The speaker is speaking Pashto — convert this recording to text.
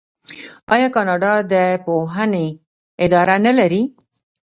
آیا کاناډا د پوهنې اداره نلري؟